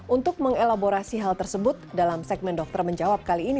untuk mengelaborasi hal tersebut dalam segmen dokter menjawab kali ini